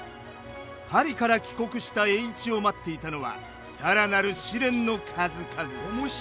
パリから帰国した栄一を待っていたのは更なる試練の数々。